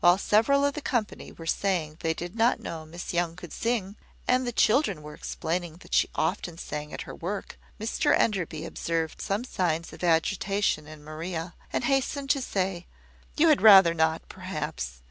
While several of the company were saying they did not know Miss Young could sing, and the children were explaining that she often sang at her work, Mr Enderby observed some signs of agitation in Maria, and hastened to say, "You had rather not, perhaps.